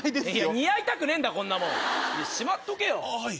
似合いたくねえんだこんなもん！しまっとけよ。